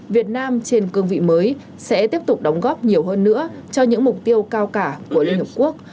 việt nam trên cương vị mới sẽ tiếp tục đóng góp nhiều hơn nữa cho những mục tiêu cao cả của liên hợp quốc